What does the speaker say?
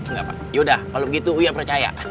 nggak pak yaudah kalau gitu uya percaya